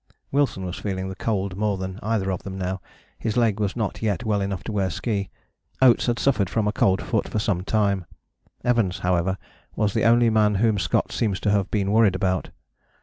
" Wilson was feeling the cold more than either of them now. His leg was not yet well enough to wear ski. Oates had suffered from a cold foot for some time. Evans, however, was the only man whom Scott seems to have been worried about.